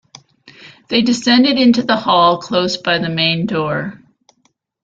They descended into the hall close by the main door.